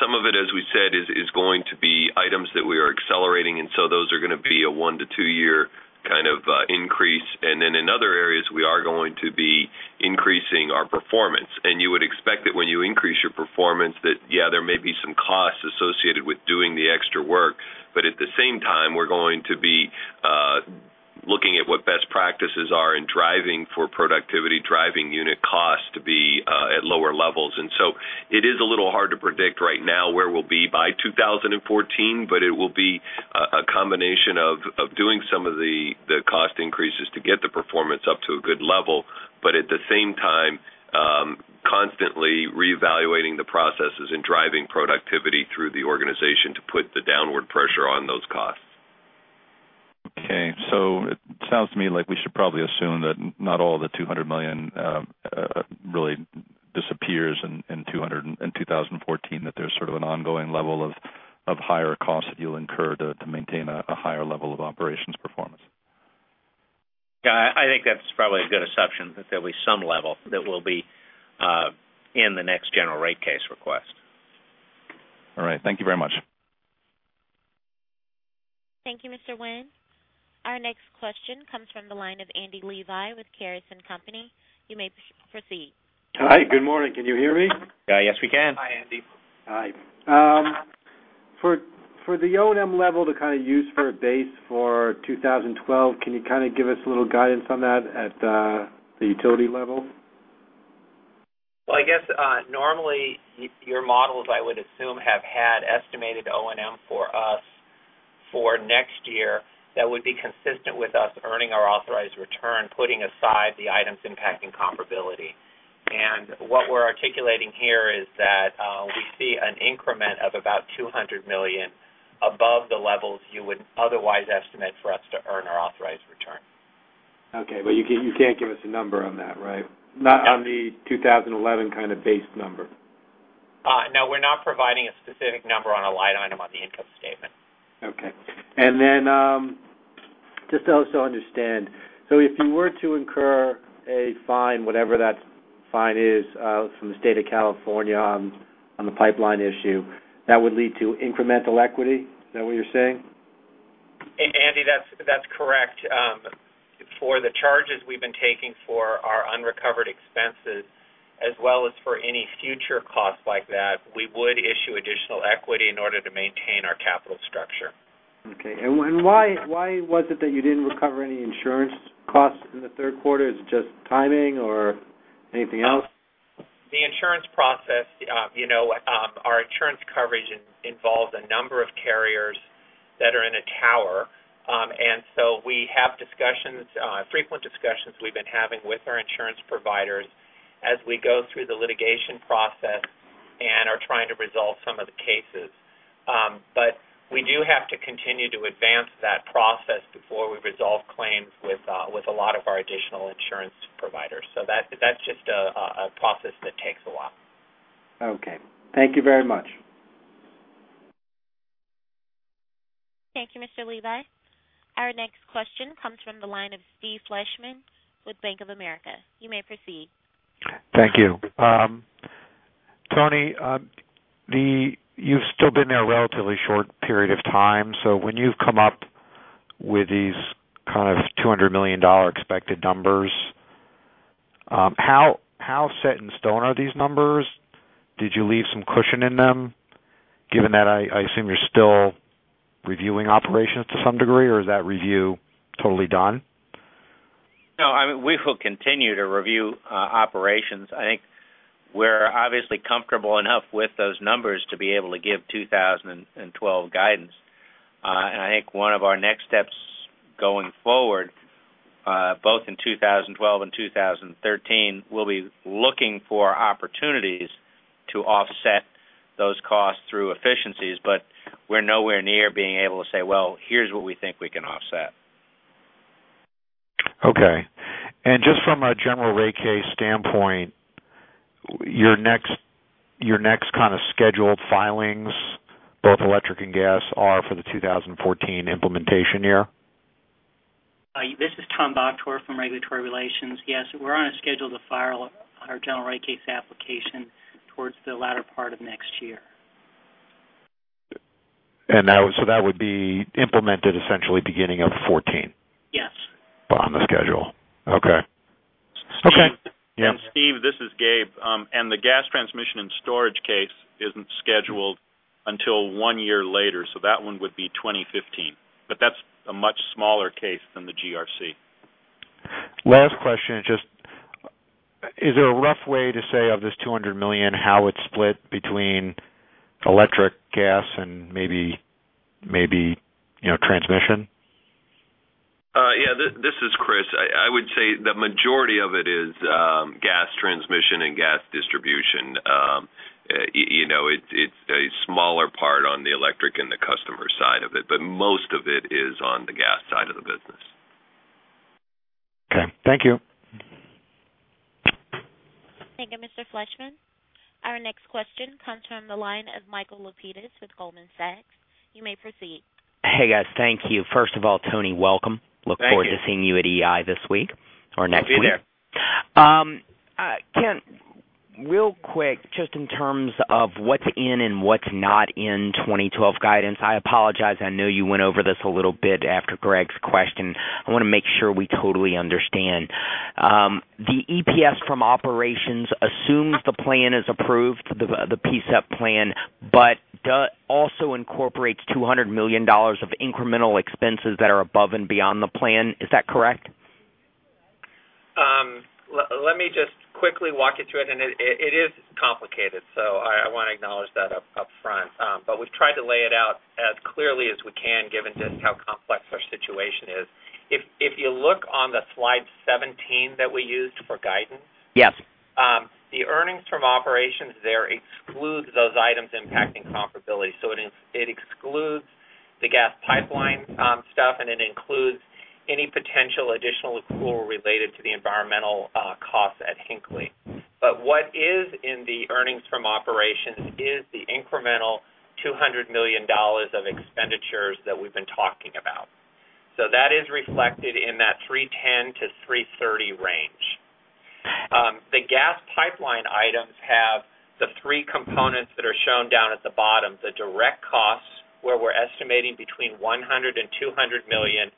Some of it, as we said, is going to be items that we are accelerating, and those are going to be a one-to-two-year kind of increase. In other areas, we are going to be increasing our performance. You would expect that when you increase your performance, there may be some costs associated with doing the extra work. At the same time, we're going to be looking at what best practices are and driving for productivity, driving unit costs to be at lower levels. It is a little hard to predict right now where we'll be by 2014, but it will be a combination of doing some of the cost increases to get the performance up to a good level, while constantly reevaluating the processes and driving productivity through the organization to put the downward pressure on those costs. Okay. It sounds to me like we should probably assume that not all the $200 million really disappears in 2014, that there's sort of an ongoing level of higher costs that you'll incur to maintain a higher level of operations performance. I think that's probably a good assumption that there'll be some level that will be in the next General Rate Case request. All right, thank you very much. Thank you, Mr. Wynne. Our next question comes from the line of Andy Levi with Caris & Company. You may proceed. Hi, good morning. Can you hear me? Yes, we can. Hi, Andy. Hi. For the O&M level to kind of use for a base for 2012, can you kind of give us a little guidance on that at the utility level? Normally, your models, I would assume, have had estimated O&M for us for next year that would be consistent with us earning our authorized return, putting aside the items impacting comparability. What we're articulating here is that we see an increment of about $200 million above the levels you would otherwise estimate for us to earn our authorized return. Okay. You can't give us a number on that, right? Not on the 2011 kind of base number? No, we're not providing a specific number on a line item on the income statement. Okay. Just to also understand, if you were to incur a fine, whatever that fine is from the state of California on the pipeline issue, that would lead to incremental equity? Is that what you're saying? Andy, that's correct. For the charges we've been taking for our unrecovered expenses, as well as for any future costs like that, we would issue additional equity in order to maintain our capital structure. Why was it that you didn't recover any insurance costs in the third quarter? Is it just timing or anything else? The insurance process, you know our insurance coverage involves a number of carriers that are in a tower. We have discussions, frequent discussions we've been having with our insurance providers as we go through the litigation process and are trying to resolve some of the cases. We do have to continue to advance that process before we resolve claims with a lot of our additional insurance providers. That's just a process that takes a while. Okay, thank you very much. Thank you, Mr. Levi. Our next question comes from the line of Steve Fleishman with Bank of America. You may proceed. Thank you. Tony, you've still been there a relatively short period of time. When you've come up with these kind of $200 million expected numbers, how set in stone are these numbers? Did you leave some cushion in them given that I assume you're still reviewing operations to some degree, or is that review totally done? No. I mean, we will continue to review operations. I think we're obviously comfortable enough with those numbers to be able to give 2012 guidance. I think one of our next steps going forward, both in 2012 and 2013, will be looking for opportunities to offset those costs through efficiencies. We're nowhere near being able to say, "Here's what we think we can offset." Okay. Just from a General Rate Case standpoint, your next kind of scheduled filings, both electric and gas, are for the 2014 implementation year? This is Tom Bottorff from Regulatory Relations. Yes, we're on a schedule to file our general rate case application towards the latter part of next year. That would be implemented essentially at the beginning of 2014? Yes. On the schedule. Okay. Okay. Yeah. Steve, this is Gabe. The gas transmission and storage case isn't scheduled until one year later. That one would be 2015, but that's a much smaller case than the GRC. Last question is just, is there a rough way to say of this $200 million how it's split between electric, gas, and maybe transmission? Yeah. This is Chris. I would say the majority of it is gas transmission and gas distribution. It's a smaller part on the electric and the customer side of it, but most of it is on the gas side of the business. Okay, thank you. Thank you, Mr. Fleishman. Our next question comes from the line of Michael Lapides with Goldman Sachs. You may proceed. Hey, guys. Thank you. First of all, Tony, welcome. Look forward to seeing you at EI this week or next week. Hey there. Kent, real quick, just in terms of what's in and what's not in 2012 guidance, I apologize. I know you went over this a little bit after Greg's question. I want to make sure we totally understand. The EPS from operations assumes the plan is approved, the PSEP, but does also incorporate $200 million of incremental expenses that are above and beyond the plan. Is that correct? Let me just quickly walk you through it. It is complicated. I want to acknowledge that up front. We've tried to lay it out as clearly as we can, given just how complex our situation is. If you look on slide 17 that we used for guidance, yes, the earnings from operations there exclude those items impacting comparability. It excludes the gas pipeline stuff, and it includes any potential additional accrual related to the environmental costs at Hinkley. What is in the earnings from operations is the incremental $200 million of expenditures that we've been talking about. That is reflected in that $310 million-$330 million range. The gas pipeline items have the three components that are shown down at the bottom, the direct costs where we're estimating between $100 million and $200 million.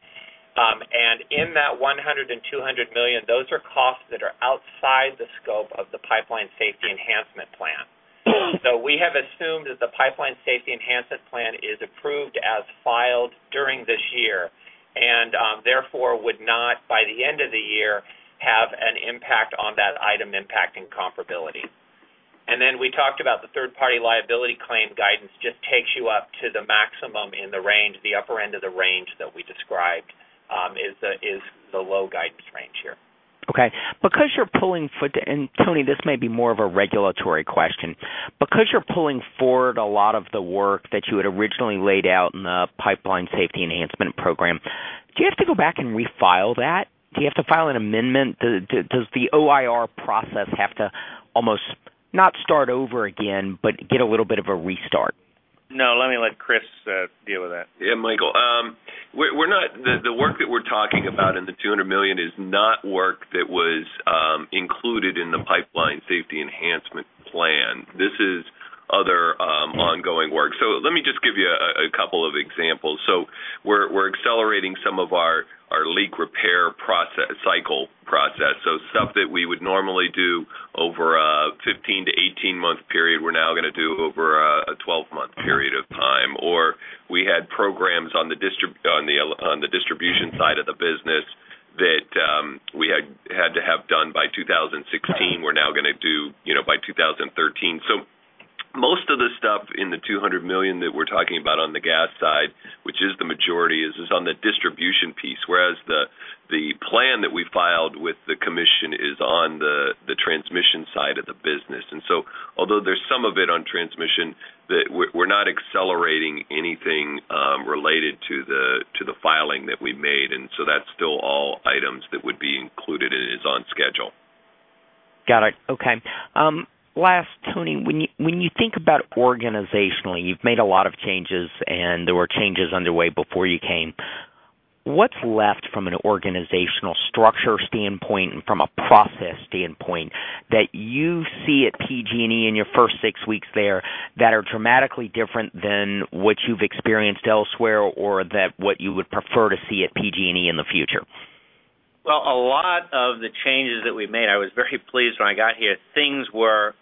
In that $100 million and $200 million, those are costs that are outside the scope of the Pipeline Safety Enhancement Plan. We have assumed that the Pipeline Safety Enhancement Plan is approved as filed during this year, and therefore would not, by the end of the year, have an impact on that item impacting comparability. We talked about the third-party liability claim guidance just takes you up to the maximum in the range, the upper end of the range that we described is the low guidance range here. Okay. Because you're pulling forward—and Tony, this may be more of a regulatory question. Because you're pulling forward a lot of the work that you had originally laid out in the Pipeline Safety Enhancement Plan, do you have to go back and refile that? Do you have to file an amendment? Does the OIR process have to almost not start over again, but get a little bit of a restart? No. Let me let Chris deal with that. Yeah, Michael. The work that we're talking about in the $200 million is not work that was included in the Pipeline Safety Enhancement Plan. This is other ongoing work. Let me just give you a couple of examples. We're accelerating some of our leak repair cycle process. Stuff that we would normally do over a 15 to 18-month period, we're now going to do over a 12-month period of time. We had programs on the distribution side of the business that we had to have done by 2016. We're now going to do by 2013. Most of the stuff in the $200 million that we're talking about on the gas side, which is the majority, is on the distribution piece, whereas the plan that we filed with the commission is on the transmission side of the business. Although there's some of it on transmission, we're not accelerating anything related to the filing that we made. That's still all items that would be included and is on schedule. Got it. Okay. Last, Tony, when you think about organizationally, you've made a lot of changes, and there were changes underway before you came. What's left from an organizational structure standpoint and from a process standpoint that you see at PG&E in your first six weeks there that are dramatically different than what you've experienced elsewhere or that what you would prefer to see at PG&E in the future? A lot of the changes that we made, I was very pleased when I got here. Things were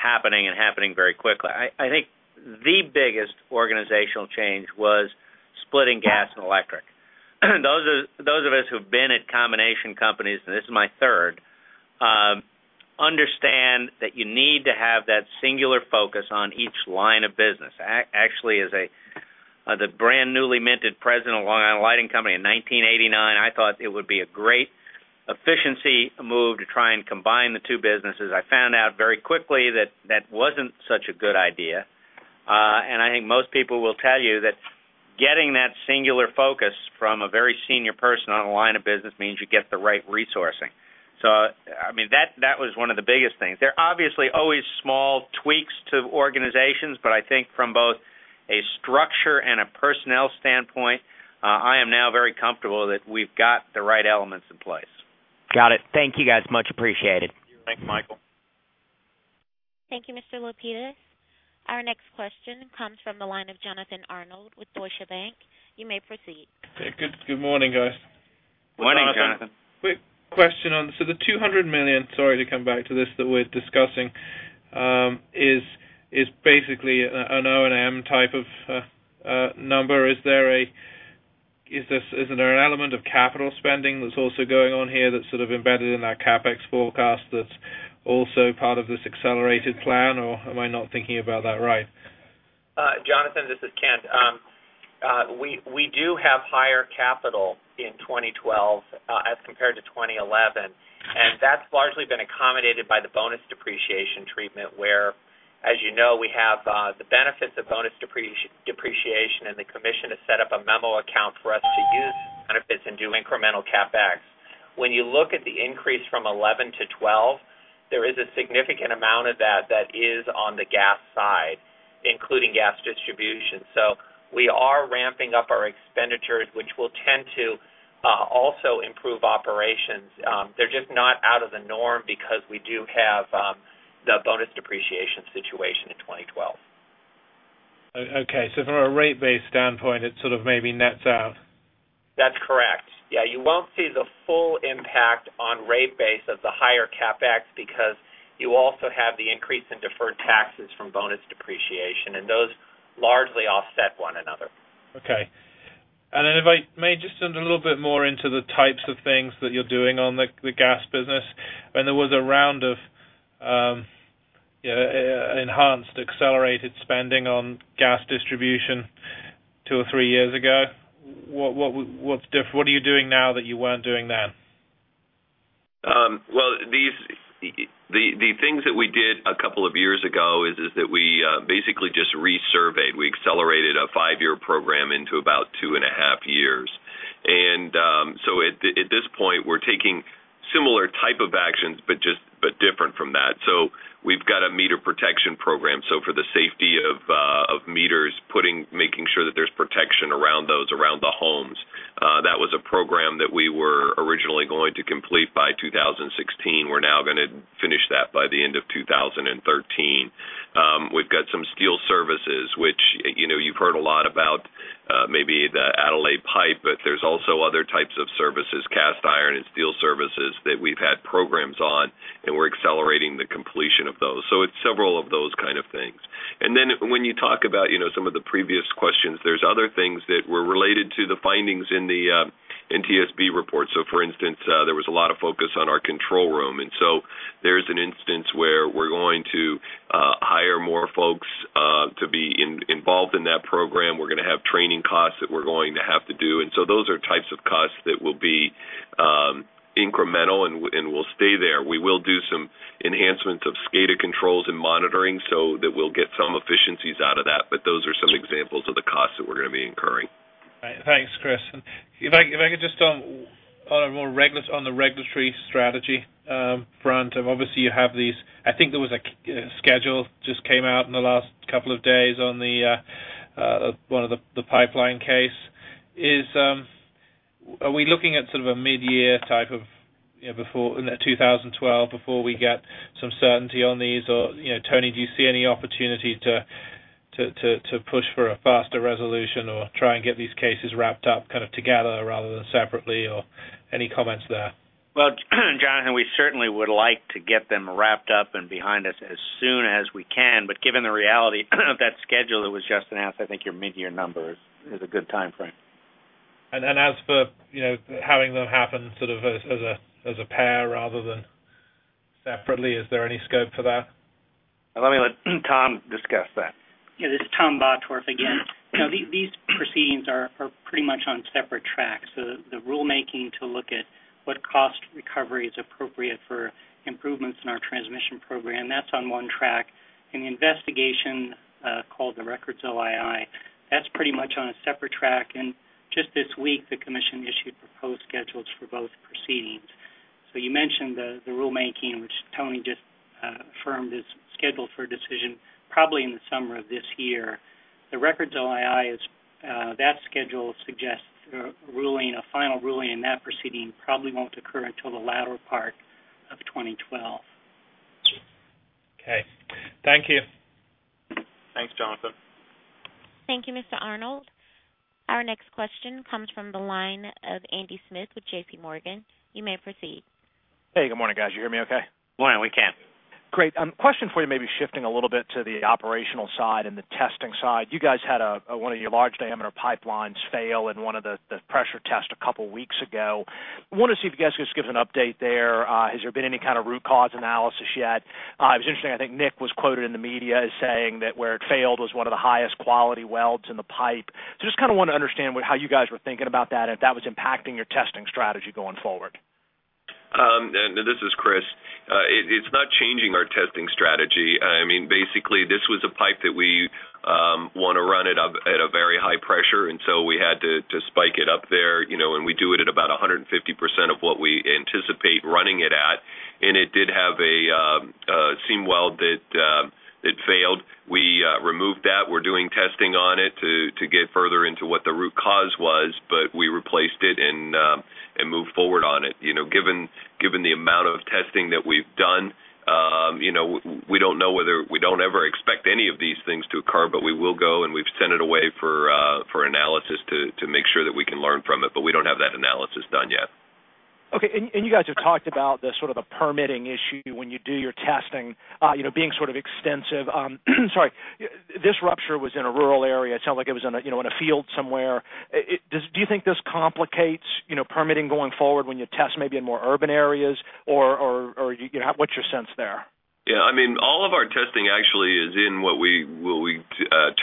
happening and happening very quickly. I think the biggest organizational change was splitting gas and electric. Those of us who've been at combination companies, and this is my third, understand that you need to have that singular focus on each line of business. Actually, as the brand newly minted President of Long Island Lighting Company in 1989, I thought it would be a great efficiency move to try and combine the two businesses. I found out very quickly that that wasn't such a good idea. I think most people will tell you that getting that singular focus from a very senior person on a line of business means you get the right resourcing. That was one of the biggest things. There are obviously always small tweaks to organizations, but I think from both a structure and a personnel standpoint, I am now very comfortable that we've got the right elements in place. Got it. Thank you, guys. Much appreciated. Thank you, Michael. Thank you, Mr. Lapidis. Our next question comes from the line of Jonathan Arnold with Deutsche Bank. You may proceed. Good morning, guys. Morning, Jonathan. Quick question on the $200 million that we're discussing. Is that basically an O&M type of number? Is there an element of capital spending that's also going on here that's sort of embedded in that CapEx forecast that's also part of this accelerated plan, or am I not thinking about that right? Jonathan, this is Kent. We do have higher capital in 2012 as compared to 2011, and that's largely been accommodated by the bonus depreciation treatment, where, as you know, we have the benefits of bonus depreciation, and the commission has set up a memo account for us to use benefits and do incremental CapEx. When you look at the increase from 2011 to 2012, there is a significant amount of that that is on the gas side, including gas distribution. We are ramping up our expenditures, which will tend to also improve operations. They're just not out of the norm because we do have the bonus depreciation situation in 2012. Okay. From a rate-based standpoint, it sort of maybe nets out. That's correct. You won't see the full impact on rate base of the higher CapEx because you also have the increase in deferred taxes from bonus depreciation, and those largely offset one another. Okay. If I may just turn a little bit more into the types of things that you're doing on the gas business. There was a round of enhanced accelerated spending on gas distribution two or three years ago. What's different? What are you doing now that you weren't doing then? The things that we did a couple of years ago is that we basically just resurveyed. We accelerated a five-year program into about two and a half years. At this point, we're taking similar types of actions, but different from that. We've got a meter protection program. For the safety of meters, making sure that there's protection around those, around the homes. That was a program that we were originally going to complete by 2016. We're now going to finish that by the end of 2013. We've got some steel services, which you've heard a lot about, maybe the Adelaide pipe, but there's also other types of services, cast iron and steel services that we've had programs on, and we're accelerating the completion of those. It's several of those kind of things. When you talk about some of the previous questions, there's other things that were related to the findings in the NTSB report. For instance, there was a lot of focus on our control room. There's an instance where we're going to hire more folks to be involved in that program. We're going to have training costs that we're going to have to do. Those are types of costs that will be incremental and will stay there. We will do some enhancements of SCADA controls and monitoring so that we'll get some efficiencies out of that. Those are some examples of the costs that we're going to be incurring. Thanks, Chris. If I could just on the regulatory strategy front, obviously, you have these. I think there was a schedule that just came out in the last couple of days on one of the pipeline cases. Are we looking at sort of a mid-year type of before in that 2012 before we get some certainty on these? Tony, do you see any opportunity to push for a faster resolution or try and get these cases wrapped up kind of together rather than separately, or any comments there? Jonathan, we certainly would like to get them wrapped up and behind us as soon as we can. Given the reality of that schedule that was just announced, I think your mid-year number is a good timeframe. Any scope for having them happen sort of as a pair rather than separately? Let me let Tom discuss that. Yeah. This is Tom Bottorff again. Now, these proceedings are pretty much on separate tracks. The rulemaking to look at what cost recovery is appropriate for improvements in our transmission program is on one track. The investigation called the Records OII is pretty much on a separate track. Just this week, the commission issued proposed schedules for both proceedings. You mentioned the rulemaking, which Tony just affirmed is scheduled for a decision probably in the summer of this year. The Records OII schedule suggests a final ruling in that proceeding probably won't occur until the latter part of 2012. Okay, thank you. Thanks, Jonathan. Thank you, Mr. Arnold. Our next question comes from the line of Andy Smith with JPMorgan. You may proceed. Hey, good morning, guys. You hear me okay? Yeah, we can. Great. Question for you, maybe shifting a little bit to the operational side and the testing side. You guys had one of your large diameter pipelines fail in one of the pressure tests a couple of weeks ago. I want to see if you guys could just give us an update there. Has there been any kind of root cause analysis yet? It was interesting. I think Nick was quoted in the media as saying that where it failed was one of the highest quality welds in the pipe. I just kind of want to understand how you guys were thinking about that and if that was impacting your testing strategy going forward. This is Chris. It's not changing our testing strategy. I mean, basically, this was a pipe that we want to run at a very high pressure. We had to spike it up there, you know, and we do it at about 150% of what we anticipate running it at. It did have a seam weld that failed. We removed that. We're doing testing on it to get further into what the root cause was, but we replaced it and moved forward on it. Given the amount of testing that we've done, we don't know whether we don't ever expect any of these things to occur, but we will go, and we've sent it away for analysis to make sure that we can learn from it. We don't have that analysis done yet. Okay. You guys have talked about the permitting issue when you do your testing, you know, being sort of extensive. This rupture was in a rural area. It sounds like it was in a field somewhere. Do you think this complicates permitting going forward when you test maybe in more urban areas, or what's your sense there? Yeah. I mean, all of our testing actually is in what we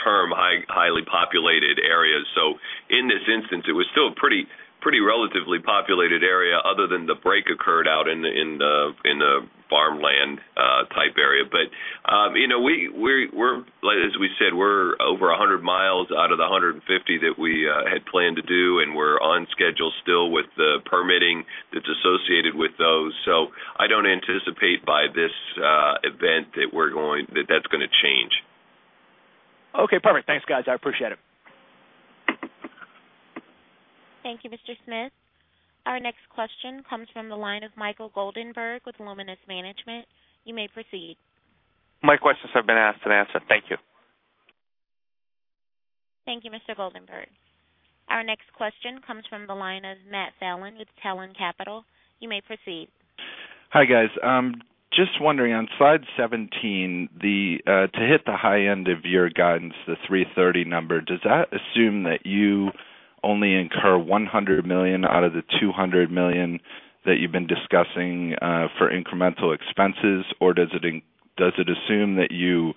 term highly populated areas. In this instance, it was still a pretty relatively populated area, other than the break occurred out in the farmland type area. As we said, we're over 100 mi out of the 150 mi that we had planned to do, and we're on schedule still with the permitting that's associated with those. I don't anticipate by this event that that's going to change. Okay. Perfect. Thanks, guys. I appreciate it. Thank you, Mr. Smith. Our next question comes from the line of Michael Goldenberg with Luminus Management. You may proceed. My questions have been asked and answered. Thank you. Thank you, Mr. Goldenberg. Our next question comes from the line of Matt Fallon with Talon Capital. You may proceed. Hi, guys. Just wondering, on slide 17, to hit the high end of your guidance, the $3.30 number, does that assume that you only incur $100 million out of the $200 million that you've been discussing for incremental expenses, or does it assume that you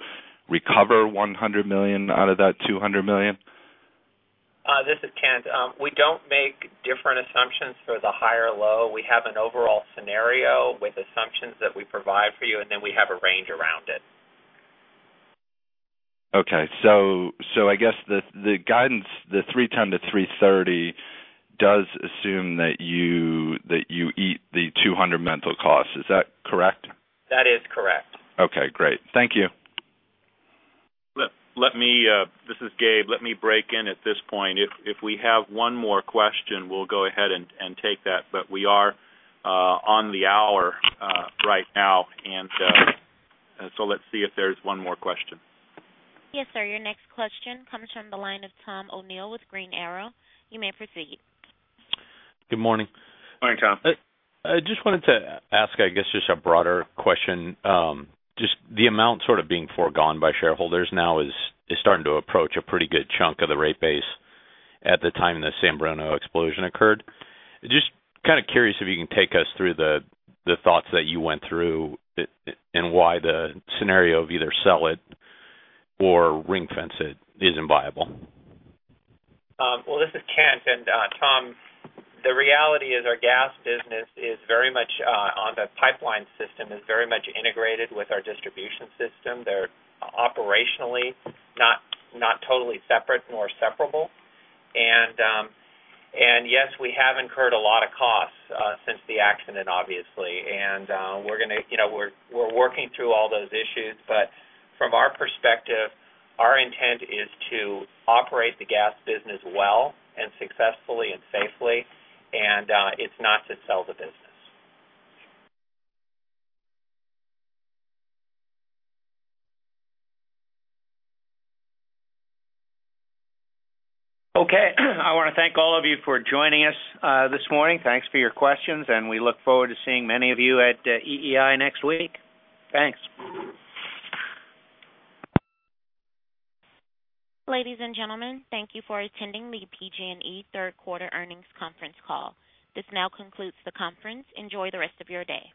recover $100 million out of that $200 million? This is Kent. We don't make different assumptions for the high or low. We have an overall scenario with assumptions that we provide for you, and then we have a range around it. Okay. I guess the guidance, the 3x the $3.30, does assume that you eat the $200 million costs. Is that correct? That is correct. Okay. Great. Thank you. This is Gabe. Let me break in at this point. If we have one more question, we'll go ahead and take that. We are on the hour right now. Let's see if there's one more question. Yes, sir. Your next question comes from the line of Tom O'Neill with Green Arrow. You may proceed. Good morning. Morning, Tom. I just wanted to ask, I guess, a broader question. The amount sort of being foregone by shareholders now is starting to approach a pretty good chunk of the rate base at the time the San Bruno explosion occurred. I'm curious if you can take us through the thoughts that you went through and why the scenario of either sell it or ring-fence it isn't viable. This is Kent. Tom, the reality is our gas business is very much on the pipeline system, is very much integrated with our distribution system. They are operationally not totally separate, nor separable. Yes, we have incurred a lot of costs since the accident, obviously. We are working through all those issues. From our perspective, our intent is to operate the gas business well and successfully and safely. It is not to sell the business. Okay. I want to thank all of you for joining us this morning. Thanks for your questions, and we look forward to seeing many of you at EEI next week. Thanks. Ladies and gentlemen, thank you for attending the PG&E third quarter earnings conference call. This now concludes the conference. Enjoy the rest of your day.